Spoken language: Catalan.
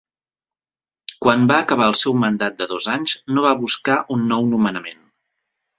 Quan va acabar el seu mandat de dos anys, no va buscar un nou nomenament.